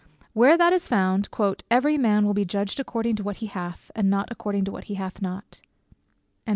Where that is found "every man will be judged according to what he hath, and not according to what he hath not."